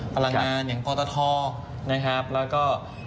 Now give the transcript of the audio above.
พลังงานอย่างปตทนะครับแล้วก็